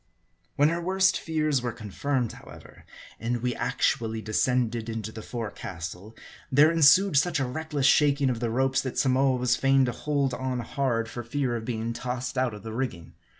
When her worst fears were confirmed, however, and we actually descended into the forecastle ; there ensued such a reckless shaking of the ropes, that Samoa was fain to hold on hard, for fear of being tossed out of the rigging.